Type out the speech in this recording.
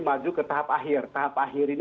maju ke tahap akhir tahap akhir ini